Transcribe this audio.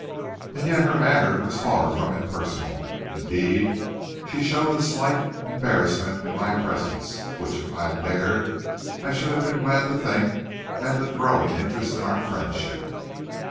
And yet her manner was far from impersonal. Indeed, she showed a slight embarrassment in my presence, which, if I had dared, I should have been glad to think meant a growing interest in our friendship.